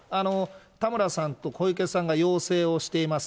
田村さんと小池さんが要請をしています。